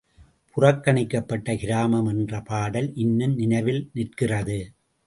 புறக்கணிக்கப்பட்ட கிராமம் என்ற பாடல் இன்னும் நினைவில் நிற்கிறது.